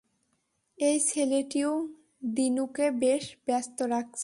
এই ছেলেটিও দিনুকে বেশ ব্যস্ত রাখছে।